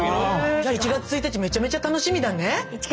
じゃ１月１日めちゃめちゃ楽しみだね。